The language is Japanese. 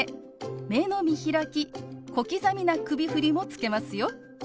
目の見開き小刻みな首振りもつけますよ。